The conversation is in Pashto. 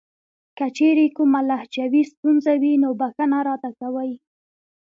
کچېرې کومه لهجوي ستونزه وي نو بښنه راته کوئ .